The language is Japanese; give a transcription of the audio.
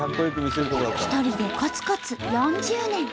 一人でコツコツ４０年。